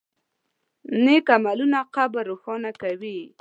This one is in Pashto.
نیک عملونه قبر روښانه کوي.